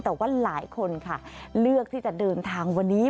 แต่ว่าหลายคนค่ะเลือกที่จะเดินทางวันนี้